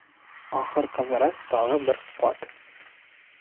Ахыр Ҡыҙырас тағы бер ҡат: